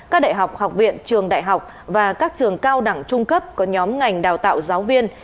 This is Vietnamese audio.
các đại học học viện trường đại học và các trường cao đẳng trung cấp có nhóm ngành đào tạo giáo viên